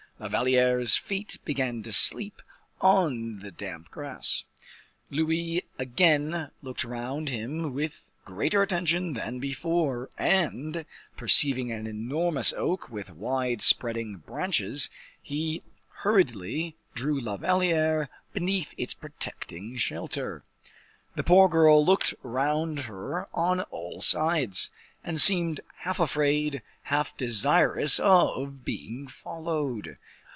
La Valliere's feet began to sleep on the damp grass. Louis again looked round him with greater attention than before, and perceiving an enormous oak with wide spreading branches, he hurriedly drew La Valliere beneath its protecting shelter. The poor girl looked round her on all sides, and seemed half afraid, half desirous of being followed.